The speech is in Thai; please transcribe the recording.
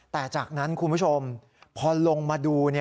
แต่จากนั้นคุณผู้ชมพอลงมาดู